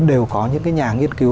đều có những nhà nghiên cứu